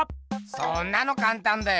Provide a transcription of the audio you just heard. そんなのかんたんだよ！